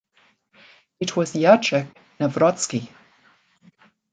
It was Jacek Nawrocki.